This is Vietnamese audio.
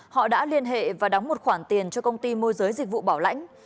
họ đã liên hệ và đóng một khoản tiền cho công ty môi giới dịch vụ bảo lãnh